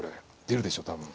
出るでしょ多分。